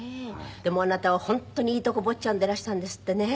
でもあなたは本当にいいとこ坊ちゃんでいらしたんですってね。